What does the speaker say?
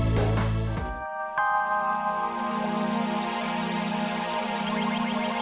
wow kamu udah beli es krimnya